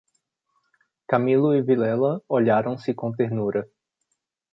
Camilo e Vilela olharam-se com ternura.